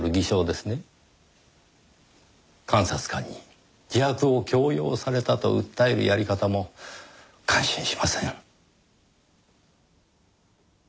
監察官に自白を強要されたと訴えるやり方も感心しません。